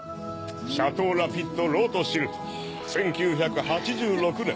シャトー・ラフィット・ロートシルト１９８６年。